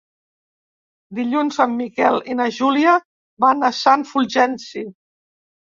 Dilluns en Miquel i na Júlia van a Sant Fulgenci.